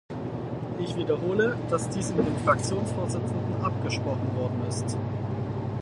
Ich wiederhole, dass dies mit den Fraktionsvorsitzenden abgesprochen worden ist.